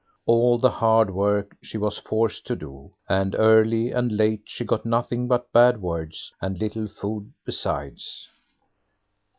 All the hard work she was forced to do, and early and late she got nothing but bad words, and little food besides.